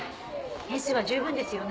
点数は十分ですよね？